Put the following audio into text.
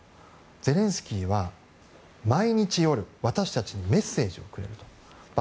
ゼレンスキーは毎日夜、私たちにメッセージをくれると。